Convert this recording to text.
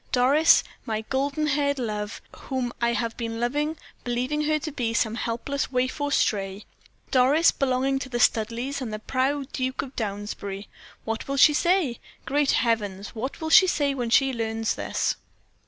Doris, my golden haired love, whom I have been loving, believing her to be some helpless waif or stray. Doris, belonging to the Studleighs and the proud Duke of Downsbury what will she say? Great heavens! what will she say when she learns this?"